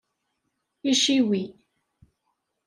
Iciwi.